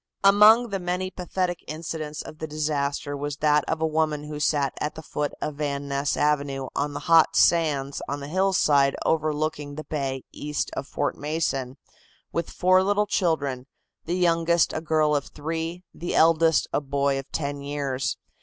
Among the many pathetic incidents of the disaster was that of a woman who sat at the foot of Van Ness Avenue on the hot sands on the hillside overlooking the bay east of Fort Mason, with four little children, the youngest a girl of three, the eldest a boy of ten years.